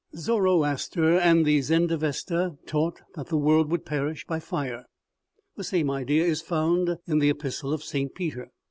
Zoroaster and the Zend Avesta taught that the world would perish by fire. The same idea is found in the Epis tle of St. Peter.